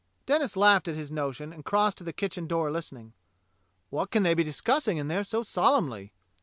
Denis laughed at his notion and crossed to the kitchen door listening. " What can they be discussing in there so solemnly.